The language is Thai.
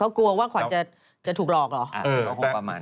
กลัวว่าขวัญจะถูกหลอกเหรอ